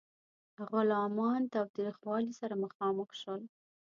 غلامان تاوتریخوالي سره مخامخ شول.